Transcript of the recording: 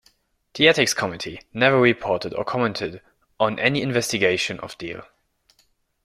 The Ethics Committee never reported or commented on any investigation of Deal.